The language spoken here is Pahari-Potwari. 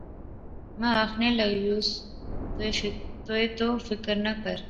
ما آخنے لاغیوس، تہئے تو فکر نہ کر